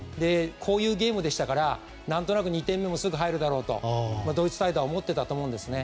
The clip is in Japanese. こういうゲームでしたから何となく２点目もすぐ入るだろうとドイツサイドは思っていたと思うんですね。